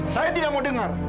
saya tidak mau dengar